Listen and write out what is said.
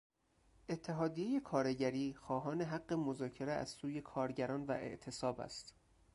اتحادیهی کارگری خواهان حق مذاکره از سوی کارگران و اعتصاب است.